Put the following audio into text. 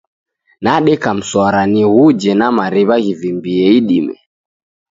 Nadeka mswara nighuje na mariw'a ghivimbie idime.